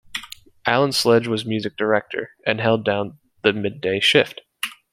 Alan Sledge was music director, and held down the mid-day shift.